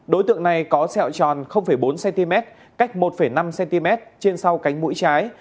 đối tượng này có sẹo tròn bốn cm cách một năm cm trên sau cánh mũi trái